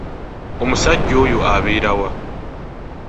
Omusajja oyo abeera wa?